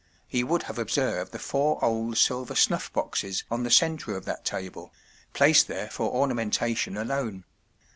He would have observed the four old silver snuffboxes on the centre of that table, placed there for ornamenta¬ tion alone.